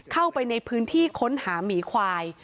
เข้าไปในพื้นที่ค้นหาหมีควาย